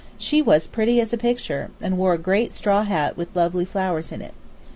She was as pretty as a picture, and wore a great straw hat with lovely flowers in it.